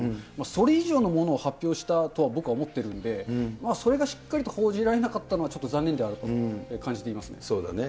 それ以上のものを発表したとは、僕は思ってるんで、それがしっかりと報じられなかったのはちょっと残念であるそうだね。